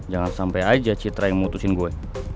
jangan sampai aja citra yang mutusin gue